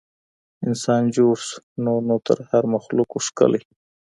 انسان جوړ سو نور تر هر مخلوق وو ښکلی